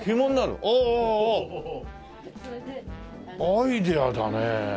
アイデアだね。